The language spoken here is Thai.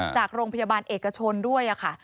จากโรงพยาบาลเอกชนด้วยค่ะ